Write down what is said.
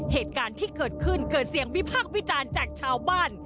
เหตุการณ์ที่เกิดขึ้นเกิดเสียงวิพากษ์วิจารณ์จากชาวบ้าน